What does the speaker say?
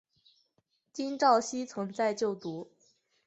金昭希曾在就读。